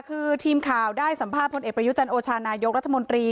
คือทีมข่าวได้สัมภาษณ์พลเอกประยุจันโอชานายกรัฐมนตรี